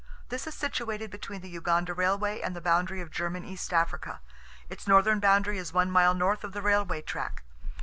—This is situated between the Uganda Railway and the boundary of German East Africa. Its northern boundary is one mile north of the railway track.